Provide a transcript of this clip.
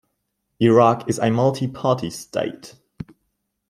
Iraq is a multi-party state.